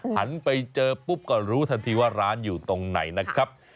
หันไปเจอปุ๊บก็รู้ทันทีว่าร้านอยู่ตรงไหนนะครับ